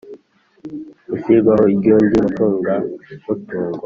ishyirwaho ry undi mucungamutungo